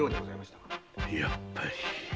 やっぱり。